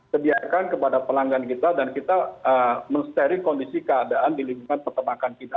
sediakan kepada pelanggan kita dan kita men sharing kondisi keadaan di lingkungan peternakan kita